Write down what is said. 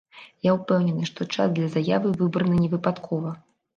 Я ўпэўнены, што час для заявы выбраны невыпадкова.